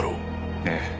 ええ。